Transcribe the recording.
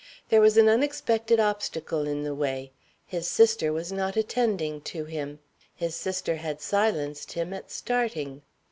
There was an unexpected obstacle in the way his sister was not attending to him; his sister had silenced him at starting.